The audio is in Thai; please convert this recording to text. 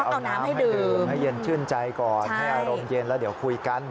เอาน้ำให้ดื่มให้เย็นชื่นใจก่อนให้อารมณ์เย็นแล้วเดี๋ยวคุยกัน